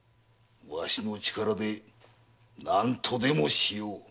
わしの力で何とでもしよう。